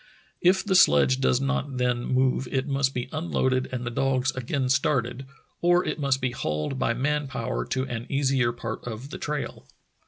If the sledge does not then move it must be unloaded and the dogs again started, or it must be hauled by man power to an easier part of the trail.